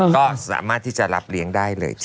ก็สามารถที่จะรับเลี้ยงได้เลยจ้